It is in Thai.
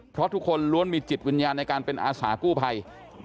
เพราะทุกคนล้วนมีจิตวิญญาณในการเป็นอาสากู้ภัย